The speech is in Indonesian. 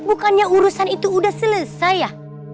bukannya urusan itu sudah selesai ya